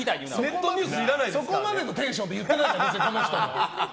そこまでのテンションで言ってないから別に。